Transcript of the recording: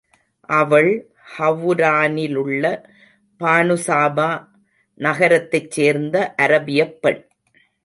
அவள் ஹவுரானிலுள்ள பானுசாபா நகரத்தைச் சேர்ந்த அரபியப் பெண்.